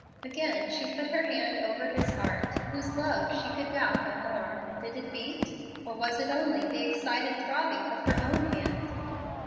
Again she put her hand over his heart, whose love she could doubt no more. Did it beat? or was it only the excited throbbing of her own hand?